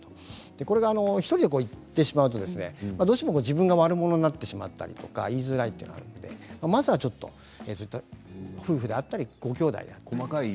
これを１人でいってしまうとどうしても自分が悪者になってしまったり言いづらいというのがあるので、まずはちょっと夫婦であったりごきょうだいで。